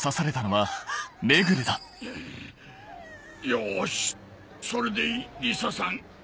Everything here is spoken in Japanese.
よしそれでいいリサさん。